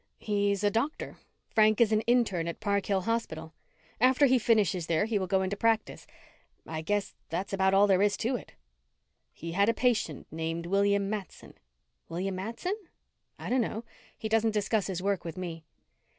"He is a doctor. Frank is an intern at Park Hill Hospital. After he finishes there he will go into practice. I guess that's about all there is to it." "He had a patient named William Matson." "William Matson? I don't know. He doesn't discuss his work with me."